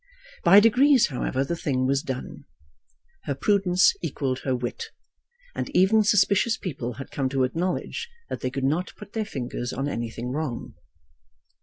By degrees, however, the thing was done. Her prudence equalled her wit, and even suspicious people had come to acknowledge that they could not put their fingers on anything wrong.